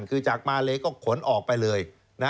คือจากมาเลก็ขนออกไปเลย